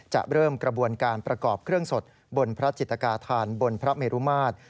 จะเริ่มกระบวนการประกอบเครื่องสดบนพระจิตกาธานบนพระเมรุมาตร